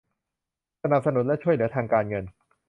สนับสนุนและช่วยเหลือทางการเงิน